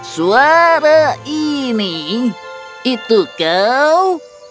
suara ini itu kau